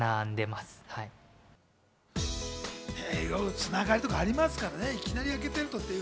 つながりとかありますからね。